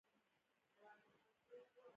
احمدشاه ابدالي بیا پر هند بله حمله ونه کړه.